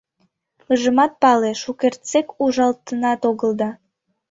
— Ыжымат пале, шукертсек ужалтынат огыл да.